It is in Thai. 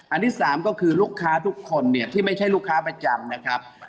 อันที่สามก็คือลูกค้าทุกคนเนี่ยที่ไม่ใช่ลูกค้าประจำนะครับ